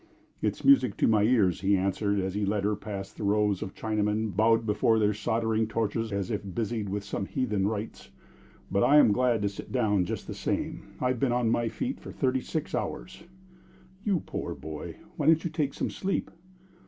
"It is music to my ears," he answered, as he led her past the rows of Chinamen bowed before their soldering torches as if busied with some heathen rites. "But I'm glad to sit down just the same. I've been on my feet for thirty six hours." "You poor boy! Why don't you take some sleep?"